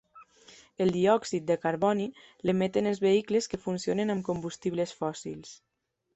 El diòxid de carboni l'emeten els vehicles que funcionen amb combustibles fòssils.